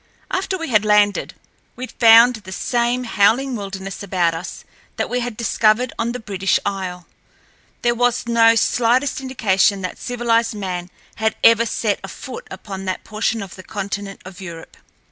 After we had landed, we found the same howling wilderness about us that we had discovered on the British Isle. There was no slightest indication that civilized man had ever set a foot upon that portion of the continent of Europe.